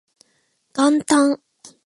元旦